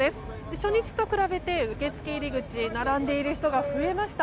初日と比べて、受付入り口並んでいる人が増えました。